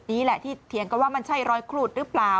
นี่แหละที่เถียงกันว่ามันใช่รอยครูดหรือเปล่า